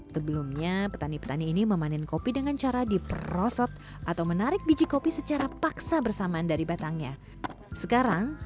sebelumnya petani petani ini memanen kopi dengan cara diperosot atau menarik biji kopi secara paksa bersamaan dari batangnya